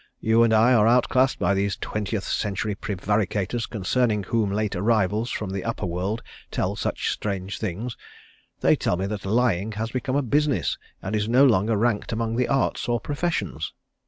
You and I are outclassed by these twentieth century prevaricators concerning whom late arrivals from the upper world tell such strange things. They tell me that lying has become a business and is no longer ranked among the Arts or Professions."